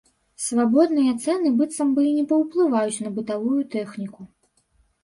Свабодныя цэны быццам бы і не паўплываюць на бытавую тэхніку.